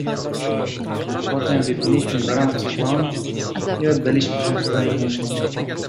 "Potem wypiliśmy gorący poncz i oddaliśmy się swoim myślom."